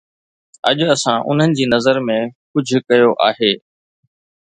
اڄ اسان انهن جي نظر ۾ ڪجهه ڪيو آهي